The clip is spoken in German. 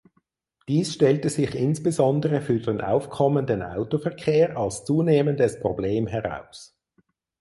Dies stellte sich insbesondere für den aufkommenden Autoverkehr als zunehmendes Problem heraus.